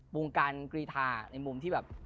วงการกรีธาในมุมที่แบบ